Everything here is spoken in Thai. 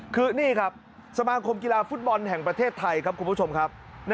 คือนี่ครับสมาคมกีฬาฟุตบอลแห่งประเทศไทยครับคุณผู้ชมครับ